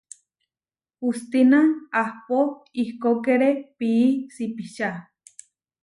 Hustína ahpó ihkókere pií sipičá.